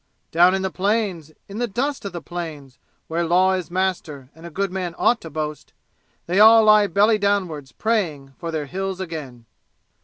Down in the plains, in the dust of the plains Where law is master and a good man ought to boast, They all lie belly downwards praying for their Hills again!